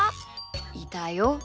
いたよ。